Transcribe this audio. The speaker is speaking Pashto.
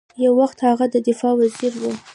یو وخت هغه د دفاع وزیر ؤ